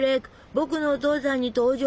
「ぼくのお父さん」に登場！